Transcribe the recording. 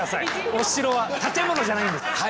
お城は建物じゃないんです。